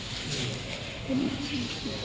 ไม่อยากจะพูดเนาะ